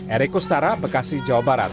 erik kustara bekasi jawa barat